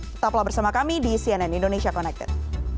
tetaplah bersama kami di cnn indonesia connected